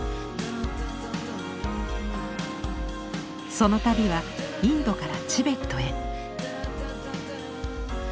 その旅はインドからチベットへ。